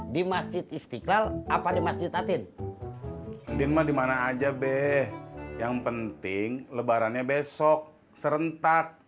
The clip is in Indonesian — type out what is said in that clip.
di masjid istiqlal apa di masjid atin di rumah dimana aja be yang penting lebarannya besok serentak